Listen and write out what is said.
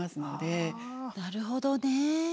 なるほどね。